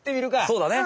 そうだね。